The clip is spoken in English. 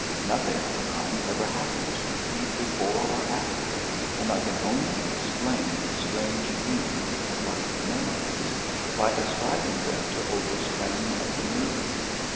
Nothing of the kind ever happened to me, before or after, and I can only explain these strange dreams like memories, by ascribing them to overstrain of the nerves.